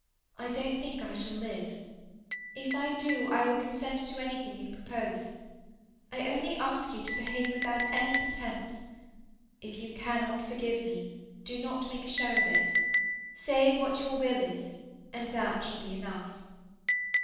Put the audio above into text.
I don't think I shall live. If I do I will consent to anything you propose. I only ask you to behave without any pretence; if you cannot forgive me, do not make a show of it. Say what your will is, and that shall be enough".